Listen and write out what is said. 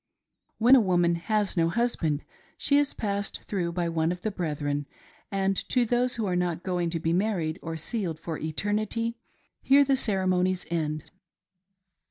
When a woman has no husband she is passed through by one of the brethren, and to those who are not going to be married or sealed for eternity here the ceremonies end.